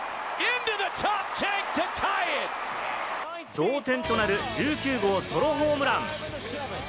同点となる１９号ソロホームラン。